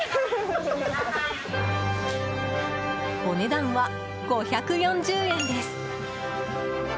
お値段は５４０円です。